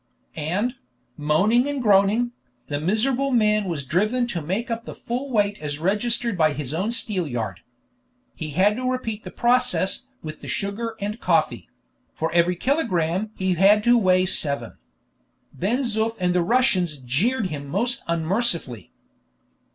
And, moaning and groaning, the miserable man was driven to make up the full weight as registered by his own steelyard. He had to repeat the process with the sugar and coffee: for every kilogramme he had to weigh seven. Ben Zoof and the Russians jeered him most unmercifully.